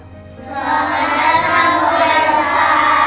selamanya sama bu elsa